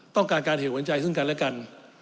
ต้องการการเหตุบรรยายใจซึ่งกันและกัน